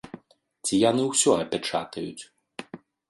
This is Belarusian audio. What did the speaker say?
Ці яны ўсё апячатаюць.